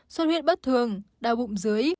suốt huyết bất thường đau bụng dưới